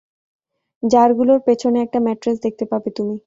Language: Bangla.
জারগুলোর পেছনে একটা ম্যাট্রেস দেখতে পাবে তুমি।